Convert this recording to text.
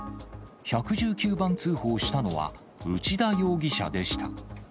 １１９番通報したのは内田容疑者でした。